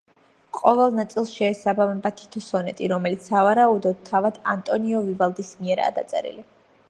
ყოველ ნაწილს შეესაბამება თითო სონეტი, რომელიც, სავარაუდოდ, თავად ანტონიო ვივალდის მიერაა დაწერილი.